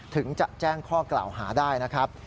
ถึงจะแจ้งข้อกล่าวหาได้นะครับ